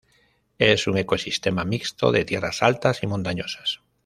Es un ecosistema mixto de tierras altas y montañosas.